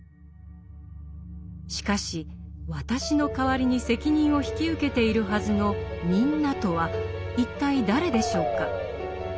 しかし「私」の代わりに責任を引き受けているはずの「みんな」とは一体誰でしょうか？